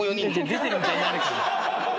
出てるみたいになるから。